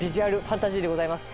ファンタジーでございます。